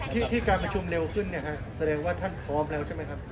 ที่การประชุมเร็วขึ้นเนี่ยฮะแสดงว่าท่านพร้อมแล้วใช่ไหมครับ